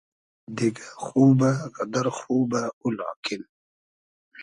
دیگۂ خوبۂ غئدئر خوبۂ او لاکین